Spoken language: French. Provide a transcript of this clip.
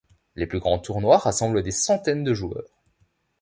Les plus grands tournois rassemblent des centaines de joueurs.